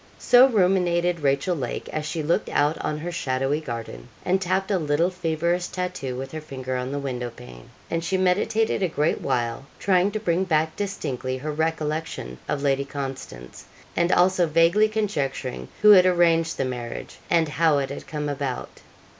So ruminated Rachel Lake as she looked out on her shadowy garden, and tapped a little feverish tattoo with her finger on the window pane; and she meditated a great while, trying to bring back distinctly her recollection of Lady Constance, and also vaguely conjecturing who had arranged the marriage, and how it had come about.